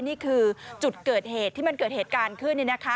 นี่คือจุดเกิดเหตุที่มันเกิดเหตุการณ์ขึ้น